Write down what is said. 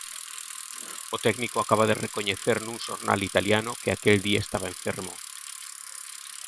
O técnico acaba de recoñecer nun xornal italiano que aquel día estaba enfermo.